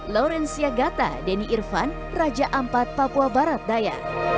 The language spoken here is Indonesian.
lorenziagata deni irvan raja ampat papua barat daya